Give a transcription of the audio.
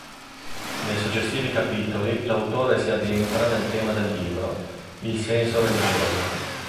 Nei successivi capitoli l'autore si addentra nel tema del libro, il "senso religioso".